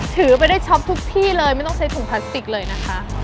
ถือไปได้ช็อปทุกที่เลยไม่ต้องใช้ถุงพลาสติกเลยนะคะ